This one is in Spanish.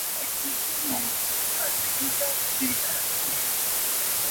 En general, "Artpop" contó con reseñas dispares por parte de los críticos musicales.